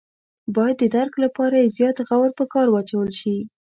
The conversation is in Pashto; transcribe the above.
باید د درک لپاره یې زیات غور په کار واچول شي.